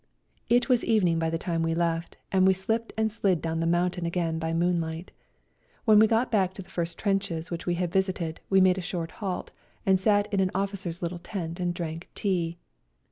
It was eviening by the time we left, and we slipped and slid down the mountain again by moonlight. When we got back to the first trenches which we had visited we made a short halt, and sat in an officer's little tent and drank tea.